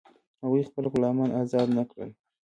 هغوی خپل غلامان آزاد نه کړل.